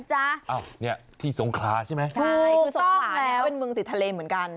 ใช่ที่สงขราเป็นเมืองดิตทะเลเหมือนกัน